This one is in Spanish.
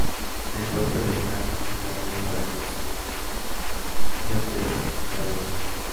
El propio De Camp fue el modelo para el personaje de Geoffrey Avalon.